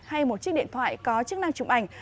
hay một chiếc điện thoại có chức năng chụp ảnh